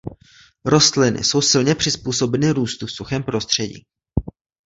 Rostliny jsou silně přizpůsobeny růstu v suchém prostředí.